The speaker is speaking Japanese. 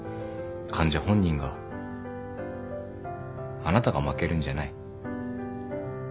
患者本人があなたが負けるんじゃない。